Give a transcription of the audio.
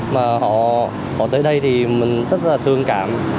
mà họ tới đây thì mình rất là thương cảm